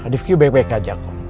rifki baik baik aja